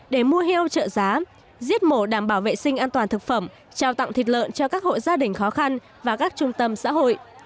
để mua heo trợ giá giết mổ đảm bảo vệ sinh an toàn thực phẩm trao tặng thịt lợn cho các hộ gia đình khó khăn và các trung tâm xã hội